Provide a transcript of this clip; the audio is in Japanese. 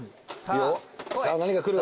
さあ何が来る？